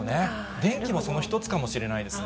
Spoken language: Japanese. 電気もその一つかもしれないですね。